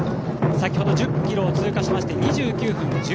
先ほど１０ｋｍを通過しまして２９分１８。